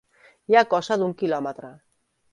Hi ha cosa d'un quilòmetre.